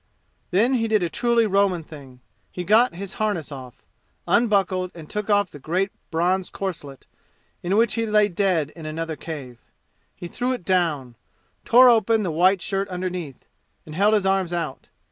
Then he did a truly Roman thing. He got his harness off unbuckled and took off the great bronze corselet, in which he lay dead in another cave. He threw it down tore open the white shirt underneath and held his arms out.